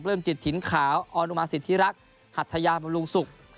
เริ่มจิตถิ่นขาวออนุมาสิทธิรักษ์หัทยาบำรุงศุกร์